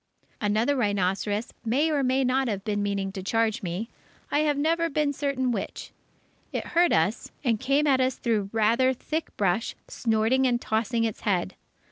Another rhinoceros may or may not have been meaning to charge me; I have never been certain which. It heard us, and came at us through rather thick brush, snorting and tossing its head.